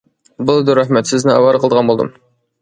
-بولىدۇ، رەھمەت، سىزنى ئاۋارە قىلىدىغان بولدۇم.